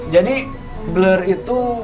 jadi blur itu